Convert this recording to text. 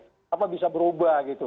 kenapa bisa berubah gitu